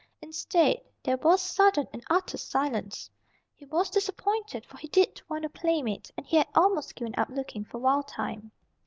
Instead there was sudden and utter silence. He was disappointed, for he did want a playmate, and he had almost given up looking for Wild Thyme.